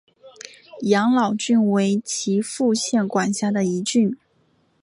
养老郡为岐阜县管辖的一郡。